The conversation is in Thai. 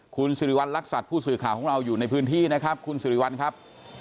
คุณสิริวัณรักษัตริย์ผู้สื่อข่าวของเราอยู่ในพื้นที่นะครับคุณสิริวัลครับ